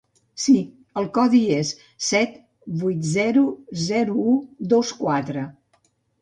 Sí, el codi és: set vuit zero zero u dos quatre.